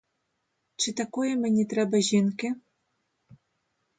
Чи такої мені треба жінки!